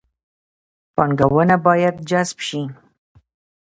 پانګونه باید جذب شي